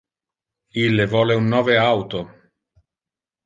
Ille vole un nove auto.